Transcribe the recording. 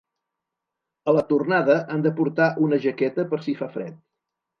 A la tornada han de portar una jaqueta per si fa fred.